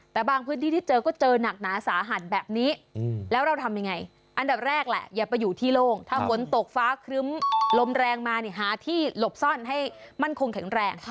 ถ้าครึ้มลมแรงมาหาที่หลบซ่อนให้มั่นคงแข็งแรง